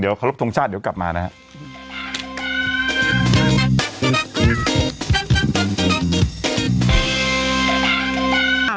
เดี๋ยวขอรบทรงชาติเดี๋ยวกลับมานะครับ